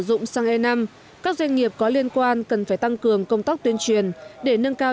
dụng sang e năm các doanh nghiệp có liên quan cần phải tăng cường công tác tuyên truyền để nâng cao